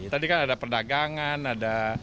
tadi kan ada perdagangan ada